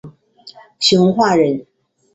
熊化人。